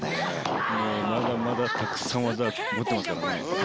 まだまだたくさん技持ってますからね。